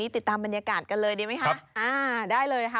ติดตามบรรยากาศกันเลยได้ไหมคะ